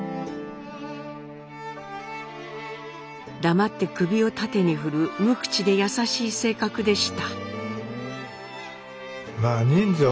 黙って首を縦に振る無口で優しい性格でした。